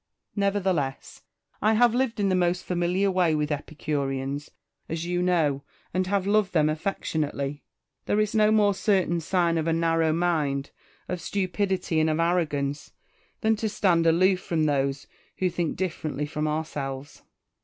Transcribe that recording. Nevertheless, 1 have lived in the most familiar way with Epicureans, as you know, and have loved them aflfectionately. There is no more certain sign of a narrow mind, of stupidity, and of arrogance, than to stand aloof from those who think differently from ourselves.